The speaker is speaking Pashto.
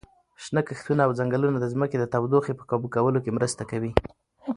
شنه کښتونه او ځنګلونه د ځمکې د تودوخې په کابو کولو کې مرسته کوي.